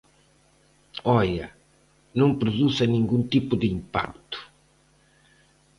Oia, non produza ningún tipo de impacto.